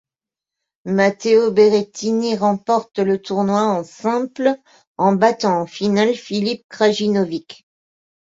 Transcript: Matteo Berrettini remporte le tournoi en simple en battant en finale Filip Krajinović.